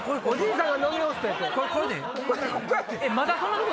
「おじいさんが」。